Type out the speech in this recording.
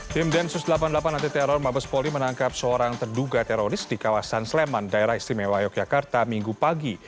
tim densus delapan puluh delapan anti teror mabes polri menangkap seorang terduga teroris di kawasan sleman daerah istimewa yogyakarta minggu pagi